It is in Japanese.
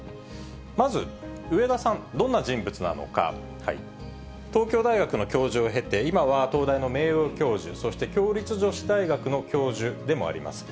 まず、植田さん、どんな人物なのか、東京大学の教授を経て、今は東大の名誉教授、そして共立女子大学の教授でもあります。